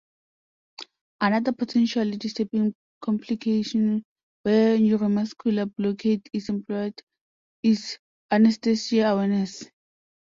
Another potentially disturbing complication where neuromuscular blockade is employed is 'anesthesia awareness'.